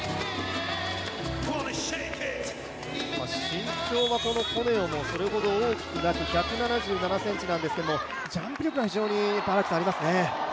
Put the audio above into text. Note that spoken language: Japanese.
身長はコネオもそれほど大きくなく１７７ｃｍなんですけどもジャンプ力が非常にありますね。